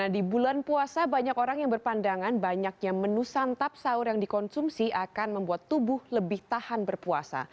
di bulan puasa banyak orang yang berpandangan banyaknya menu santap sahur yang dikonsumsi akan membuat tubuh lebih tahan berpuasa